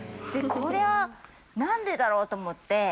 これは、なんでだろうと思って。